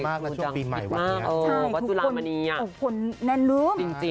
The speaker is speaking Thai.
ดังเยอะมากแล้วช่วงปีใหม่วันนี้ทุกคนออกผลแน่นรึ้ม